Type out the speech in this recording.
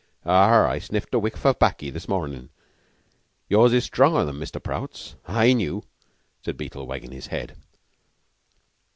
"I sniffed a whiff of 'baccy, this mornin'. Yours is stronger than Mr. Prout's. I knew," said Beetle, wagging his head.